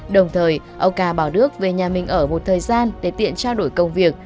đồng thời ông ca bảo đức về nhà mình ở một thời gian để tiện trao đổi công việc